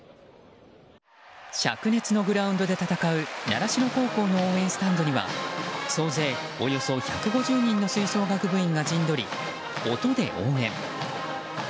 灼熱のグラウンドで戦う習志野高校の応援スタンドには総勢およそ１５０人の吹奏楽部員が陣取り音で応援。